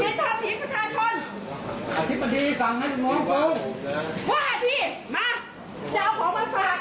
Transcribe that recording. บอกแล้วท่านวันนี้ถ้าบอกเลยมั้ย